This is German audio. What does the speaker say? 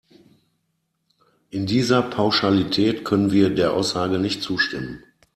In dieser Pauschalität können wir der Aussage nicht zustimmen.